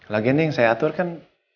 lagian nih yang saya atur kan